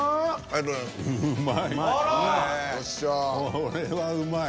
これはうまい。